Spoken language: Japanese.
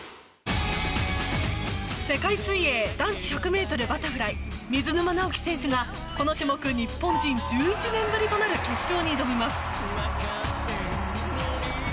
世界水泳男子１００ｍバタフライ決勝に水沼尚輝選手が、この種目日本人１１年ぶりとなる決勝に挑みます。